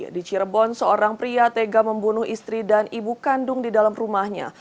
di cirebon seorang pria tega membunuh istri dan ibu kandung di dalam rumahnya